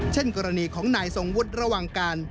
เช่นกรณีของนายทรงวุฒิระวังการ